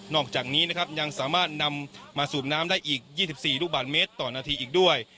อกจากนี้นะครับยังสามารถนำมาสูบน้ำได้อีก๒๔ลูกบาทเมตรต่อนาทีอีกด้วย